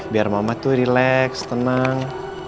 biar mama tuh rileks tenang